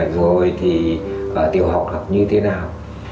rồi thì tiểu học học như thế nào